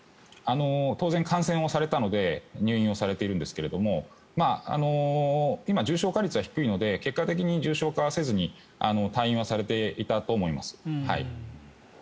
当然、感染をされたので入院をされているんですが今、重症化率は低いので結果的に重症化はせずに退院はされていたと思います。